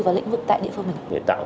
vào lĩnh vực tại địa phương mình